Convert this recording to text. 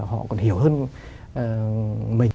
họ còn hiểu hơn mình